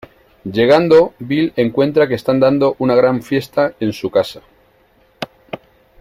Llegando, Bill encuentra que están dando una gran fiesta en su casa.